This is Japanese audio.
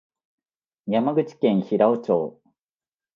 山口県平生町